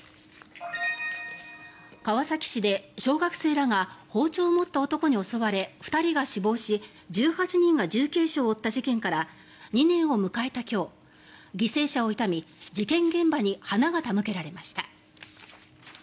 川崎市で、小学生らが包丁を持った男に襲われ２人が死亡し１８人が重軽傷を負った事件から２年を迎えた今日犠牲者を悼み事件現場に花が手向けられました。